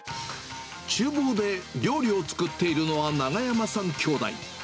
ちゅう房で料理を作っているのは永山さん兄弟。